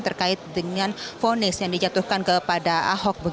terkait dengan fonis yang dijatuhkan kepada ahok